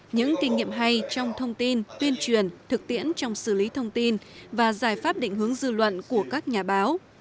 những kinh nghiệm hay trong thông tin tuyên truyền thực tiễn trong xử lý thông tin và giải pháp định hướng dư luận của các nhà báo